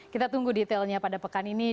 kita tunggu detailnya pada pekan ini